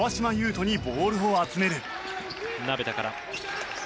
翔にボールを集める。